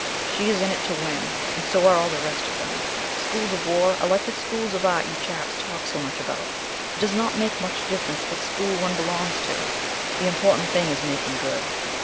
She is in to win, and so are all the rest of them. Schools of War are like the Schools of Art you chaps talk so much about it does not make much difference what school one belongs to the only important thing is making good."